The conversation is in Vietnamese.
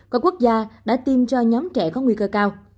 có quốc gia đã tiêm cho nhóm trẻ có nguy cơ cao